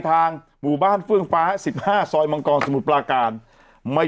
ทางหมู่บ้านฟื้องฟ้าสิบห้าซอยมังกรสมุดปลากานไม่